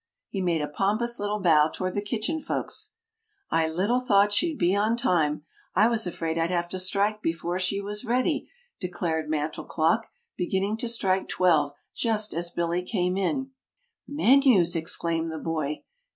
He made a pompous little bow toward the Kitchen Folks. "I little thought she'd be on time. I was afraid I'd have to strike before she was ready," declared Mantel Clock, beginning to strike twelve just as Billy came in. "Menus!" exclaimed the boy. [Illustration: "Menus!" exclaimed the boy.